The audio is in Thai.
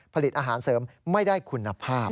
ผลิตอาหารเสริมไม่ได้คุณภาพ